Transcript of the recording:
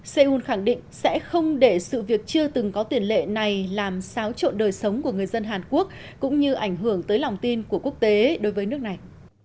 seoul khẳng định sẽ không để sự việc chưa từng có tiền lệ này làm xáo trộn đời sống của người dân hàn quốc cũng như ảnh hưởng tới lòng tin của quốc tế đối với nước này